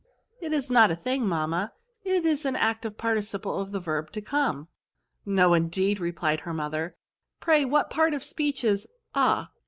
*' "It is not a thing, mamma ; it is the active participle of the verb to come." " No, indeed, replied her mother. " Pray what part of speech is a ?"